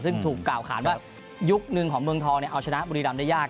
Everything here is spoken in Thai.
ซึ่งถูกกล่าวขานว่ายุคหนึ่งของเมืองทองเอาชนะบุรีรำได้ยาก